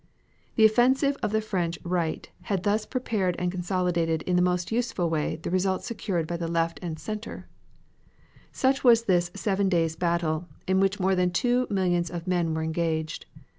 The offensive of the French right had thus prepared and consolidated in the most useful way the result secured by the left and center. Such was this seven days' battle, in which more than two millions of men were engaged.